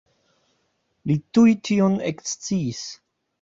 Li tuj tion eksciis.